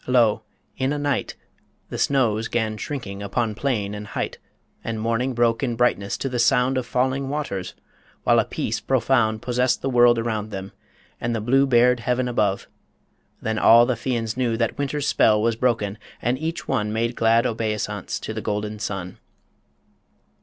Lo! in a night The snows 'gan shrinking upon plain and height, And morning broke in brightness to the sound Of falling waters, while a peace profound Possessed the world around them, and the blue Bared heaven above ... Then all the Fians knew That Winter's spell was broken, and each one Made glad obeisance to the golden sun.